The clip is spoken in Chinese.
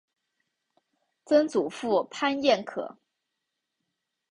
曾祖父潘彦可。